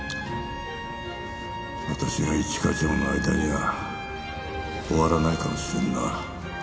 私が一課長の間には終わらないかもしれんな。